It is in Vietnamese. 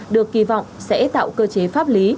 được kỳ vọng sẽ tạo cơ chế pháp lý